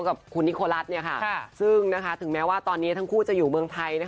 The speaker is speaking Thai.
กับคุณนิโครัฐซึ่งถึงแม้ว่าตอนนี้ทั้งคู่จะอยู่เมืองไทย